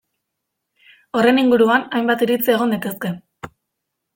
Horren inguruan hainbat iritzi egon daitezke.